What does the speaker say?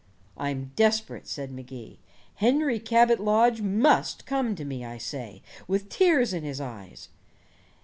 "I'm desperate," said Magee. "Henry Cabot Lodge must come to me, I say, with tears in his eyes.